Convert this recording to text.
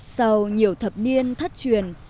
sau nhiều thập niên thất truyền